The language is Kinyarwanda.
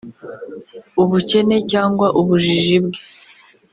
ubukene cyangwa ubujiji bwe